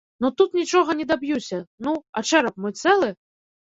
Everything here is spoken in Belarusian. Ну, тут нічога не даб'юся, ну, а чэрап мой цэлы?